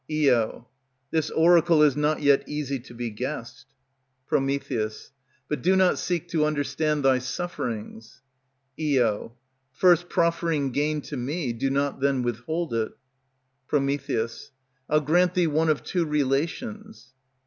Io. This oracle is not yet easy to be guessed. Pr. But do not seek to understand thy sufferings. Io. First proffering gain to me, do not then withhold it. Pr. I'll grant thee one of two relations.